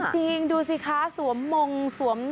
จริงดูสิคะสวมมงสวม